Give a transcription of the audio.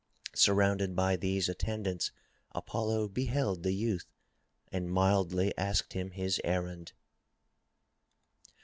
Surrounded by these attendants, Apollo beheld the youth and mildly asked him his errand.